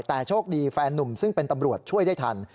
แต่โชคดีแฟนนุ่มซึ่งเป็นตำรวจช่วยได้ทัน